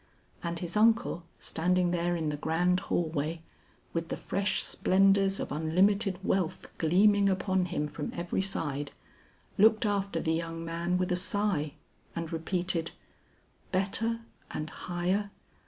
And his uncle standing there in the grand hall way, with the fresh splendors of unlimited wealth gleaming upon him from every side, looked after the young man with a sigh and repeated, "Better and higher?